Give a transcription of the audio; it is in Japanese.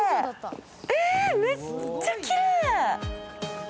え、めっちゃきれい！